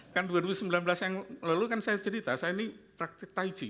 kan dua ribu sembilan belas yang lalu kan saya cerita saya ini praktik taiji